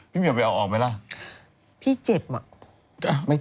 มีเยอะเลย